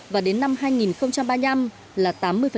và đến năm hai nghìn ba mươi năm là tám mươi